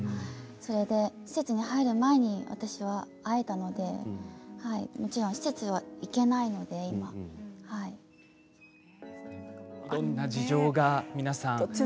それで施設に入る前に私は会えたのでもちろん施設は今、行けないのではい。